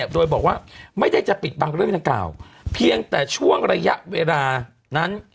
โดยบอกว่าไม่ได้จะปิดบังเรื่องดังกล่าวเพียงแต่ช่วงระยะเวลานั้น